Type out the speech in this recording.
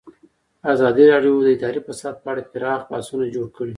ازادي راډیو د اداري فساد په اړه پراخ بحثونه جوړ کړي.